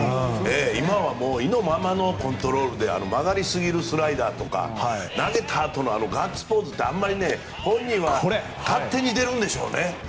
今は意のままのコントロールで曲がりすぎるスライダーとか投げたあとのガッツポーズって本人は勝手に出るんでしょうね。